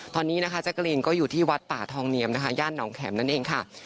ตอนนี้นะคะแจ๊กกะลีนก็อยู่ที่วัดป่าทองเนียมนะคะย่านหนองแข็มนั่นเองค่ะ